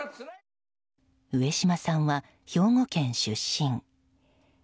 上島さんは兵庫県出身。